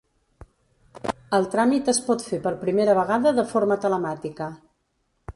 El tràmit es pot fer per primera vegada de forma telemàtica.